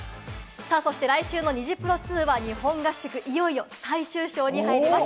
そして来週のニジプロ２は日本合宿、いよいよ最終章に入ります。